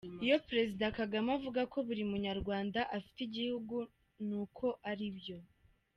Iyo Perezida Kagame avuga ko buri munyarwanda afite igihugu, ni uko ari byo.